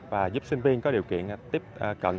và giúp sinh viên có điều kiện tiếp cận